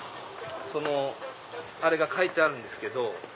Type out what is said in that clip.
そのあれが描いてあるんですけど。